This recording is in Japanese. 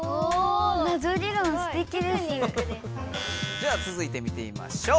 ではつづいて見てみましょう。